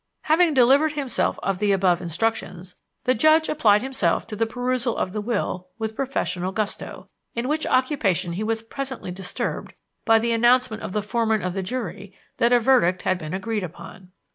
Having delivered himself of the above instructions, the judge applied himself to the perusal of the will with professional gusto, in which occupation he was presently disturbed by the announcement of the foreman of the jury that a verdict had been agreed upon.